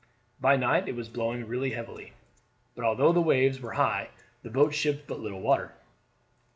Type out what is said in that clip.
By night it was blowing really heavily, but although the waves were high the boat shipped but little water.